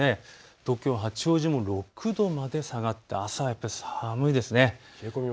東京八王子も６度まで下がって朝はやっぱり寒いです。